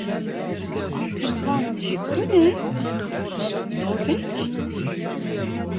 Apên wan ji ku ne? "Norwêc."